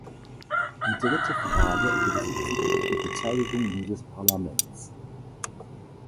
Die dritte Frage bezieht sich auf die Beteiligung dieses Parlaments.